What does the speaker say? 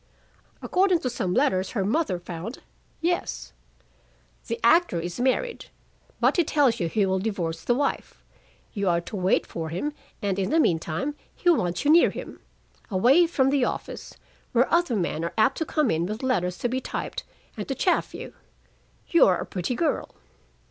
"According to some letters her mother found, yes. The actor is married, but he tells you he will divorce the wife; you are to wait for him, and in the meantime he wants you near him; away from the office, where other men are apt to come in with letters to be typed, and to chaff you. You are a pretty girl."